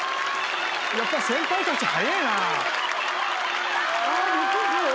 やっぱ先輩たち速いな。